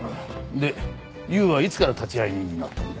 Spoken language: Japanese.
でユーはいつから立会人になったんだ？